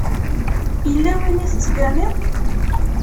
Yella win i tettganiḍ?